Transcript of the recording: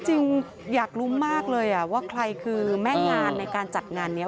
จริงอยากรู้มากเลยว่าใครคือแม่งานในการจัดงานนี้